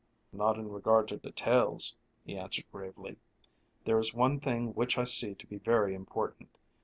"Not in regard to details," he answered gravely. "There is one thing which I see to be very important.